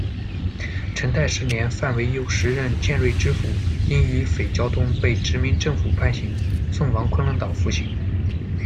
成泰十年，范惟悠时任建瑞知府，因与匪交通，被殖民政府判刑，送往昆仑岛服刑。